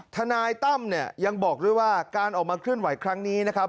ทนายตั้มเนี่ยยังบอกด้วยว่าการออกมาเคลื่อนไหวครั้งนี้นะครับ